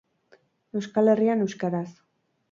Euskal Herrian Euskaraz!